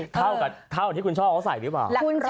เท่ากับที่คุณชอบเขาใส่ดีป่ะ